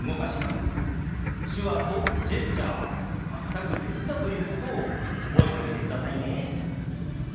手話とジェスチャーは全く別だということを覚えておいてくださいね。